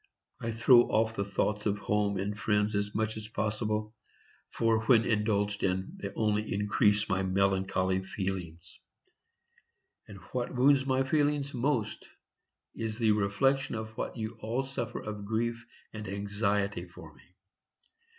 I throw off the thoughts of home and friends as much as possible; for, when indulged in, they only increase my melancholy feelings. And what wounds my feelings most is the reflection of what you all suffer of grief and anxiety for me.